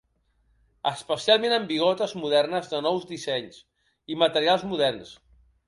Especialment amb bigotes modernes de nous disseny i materials moderns.